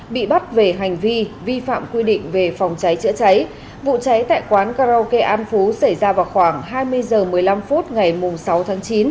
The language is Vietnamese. bị bắt về hành vi vi phạm quy định về phòng cháy chữa cháy vụ cháy tại quán karaoke an phú xảy ra vào khoảng hai mươi h một mươi năm phút ngày sáu tháng chín